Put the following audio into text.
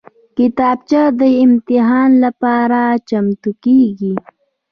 کتابچه د امتحان لپاره چمتو کېږي